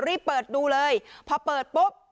รีบเปิดดูเลยพอเปิดปุ๊บ